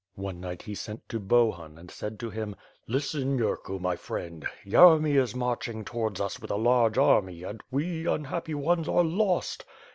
One night he sent to Bohun and said to him: "Listen, Yurku, my friend! Yeremy is marching towards us with a large army and we, unhappy ones, are lost.